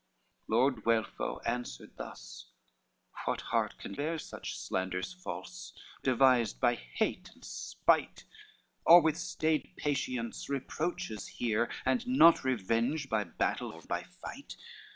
LVII Lord Guelpho answered thus: "What heart can bear Such slanders false, devised by hate and spite? Or with stayed patience, reproaches hear, And not revenge by battle or by fight?